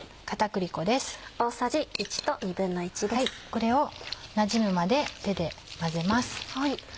これをなじむまで手で混ぜます。